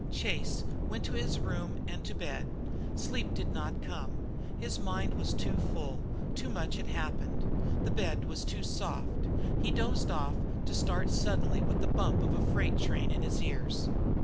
Chase went to his room and to bed. Sleep did not soon come. His mind was too full; too much had happened; the bed was too soft. He dozed off, to start suddenly up with the bump of a freight train in his ears.